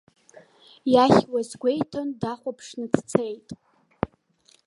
Иахьуаз гәеиҭан, дахәаԥшны дцеит.